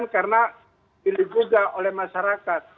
karena dipilih juga oleh masyarakat